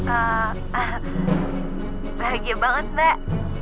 eee bahagia banget mbak